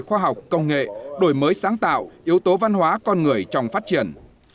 khoa học công nghệ đổi mới sáng tạo yếu tố văn hóa con người trong phát triển